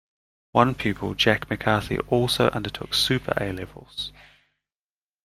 One pupil Jack McCarthy also undertook super A-Levels.